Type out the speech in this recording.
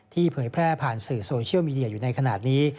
เผยแพร่ผ่านสื่อโซเชียลมีเดียอยู่ในขณะนี้